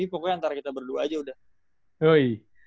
pokoknya antara kita berdua aja udah